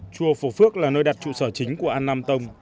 chùa phủ phước là nơi đặt trụ sở chính của an nam tông